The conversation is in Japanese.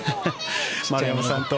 丸山さんと。